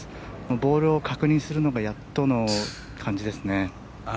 ボールを確認するのがやっとの感じですね。